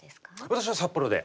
私は札幌で。